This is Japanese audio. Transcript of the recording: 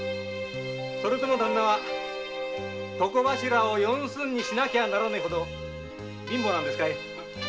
それとも旦那は床柱を四寸にしなきゃならねえほど貧乏なんですかい？